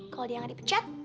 kalau dia gak dipecat